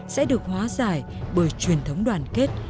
sẽ được hóa giải bởi truyền thống đoàn kết